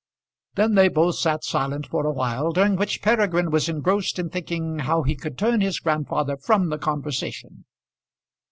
Then they both sat silent for a while, during which Peregrine was engrossed in thinking how he could turn his grandfather from the conversation.